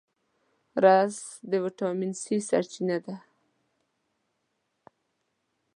رس د ویټامین C سرچینه ده